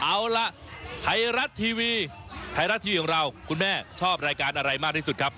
เอาล่ะไทยรัฐทีวีไทยรัฐทีวีของเราคุณแม่ชอบรายการอะไรมากที่สุดครับ